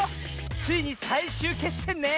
ついにさいしゅうけっせんね！